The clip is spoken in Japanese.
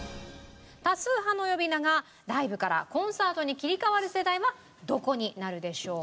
多数派の呼び名がライブからコンサートに切り替わる世代はどこになるでしょうか？